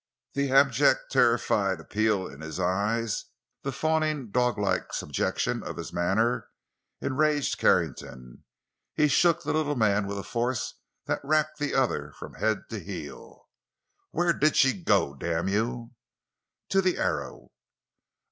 The abject, terrified appeal in his eyes; the fawning, doglike subjection of his manner, enraged Carrington. He shook the little man with a force that racked the other from head to heel. "Where did she go—damn you!" "To the Arrow."